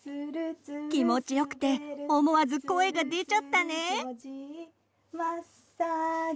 気持ちよくて思わず声が出ちゃったね。